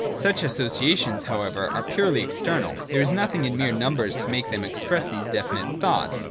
Such associations however are purely external : there is nothing in the mere numbers to make them express these definite thoughts.